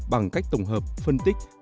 bằng cách tổng hợp phân tích